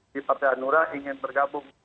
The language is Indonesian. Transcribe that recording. di partai hanura ingin bergabung